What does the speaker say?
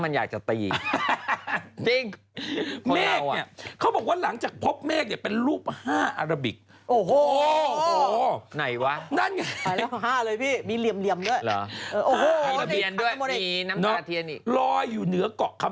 แล้วก็เสร็จแล้วนี่นะ